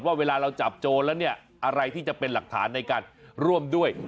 เวลาเราจับโจรแล้วเนี่ยอะไรที่จะเป็นหลักฐานในการร่วมด้วย